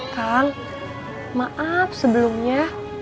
kang maaf sebelumnya